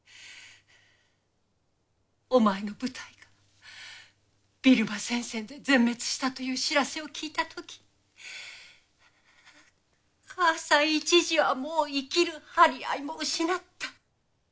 お前の部隊がビルマ戦線で全滅したという知らせを聞いたとき母さん一時はもう生きる張り合いも失った。